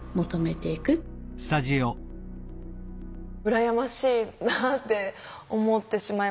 羨ましいなって思ってしまいました。